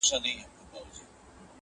ستا دي قسم په ذوالجلال وي٫